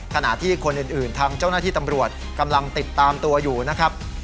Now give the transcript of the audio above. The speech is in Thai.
ขณะที่คนอื่นทางเจ้าหน้าที่ตำรวจกำลังติดตามตัวอยู่นะครับ